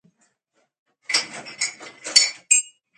هغه د خپل پيغام رسولو لارې چارې وموندلې.